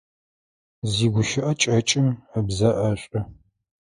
Зигущыӏэ кӏэкӏым ыбзэ ӏэшӏу.